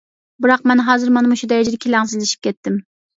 بىراق مەن ھازىر مانا مۇشۇ دەرىجىدە كېلەڭسىزلىشىپ كەتتىم.